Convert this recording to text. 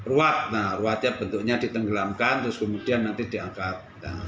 ruah nah ruah bentuknya ditenggelamkan terus kemudian nanti diangkat